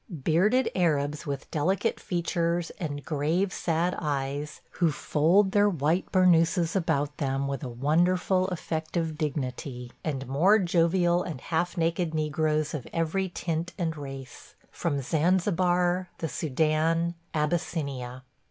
– Bearded Arabs with delicate features and grave, sad eyes, who fold their white bornouses about them with a wonderful effect of dignity; and more jovial and half naked negroes of every tint and race – from Zanzibar, the Soudan, Abyssinia.